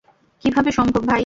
কিভাবে সম্ভব, ভাই।